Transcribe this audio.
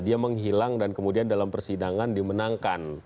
dia menghilang dan kemudian dalam persidangan dimenangkan